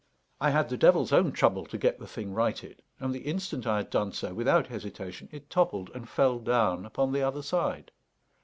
I had the devil's own trouble to get the thing righted; and the instant I had done so, without hesitation, it toppled and fell down upon the other side.